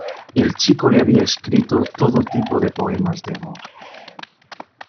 El chico le había escrito todo tipo de poemas de amor.